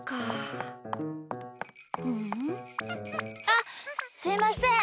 あっすいません！